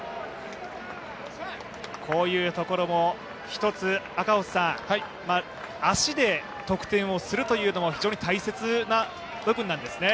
こういうところも、足で得点をするというのも大切な部分なんですね。